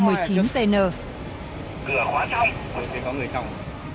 cửa khóa trong